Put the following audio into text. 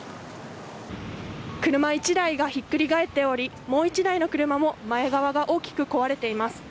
車１台がひっくり返っておりもう１台の車も前側が大きく壊れています。